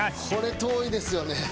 これ遠いですよね。